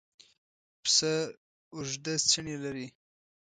پسه اوږده څڼې لري.